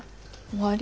終わり？